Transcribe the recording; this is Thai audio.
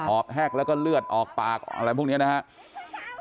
อบแห้งแล้วก็เลือดออกปากอะไรพวกนี้นะครับ